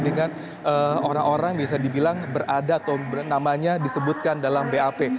dengan orang orang yang bisa dibilang berada atau namanya disebutkan dalam bap